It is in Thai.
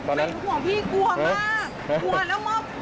กับสมองมันแบบไม่ได้แล้วมันอยู่ไม่ได้